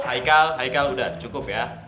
haikal haikal udah cukup ya